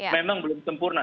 memang belum sempurna